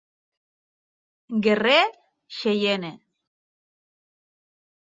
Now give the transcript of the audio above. Guerrer xeiene.